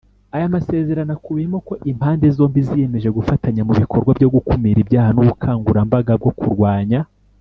Aya masezerano akubiyemo ko impande zombi ziyemeje gufatanya mu bikorwa byo gukumira ibyaha n’ubukangurambaga bwo kurwanya